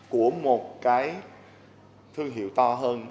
của một cái thương hiệu to hơn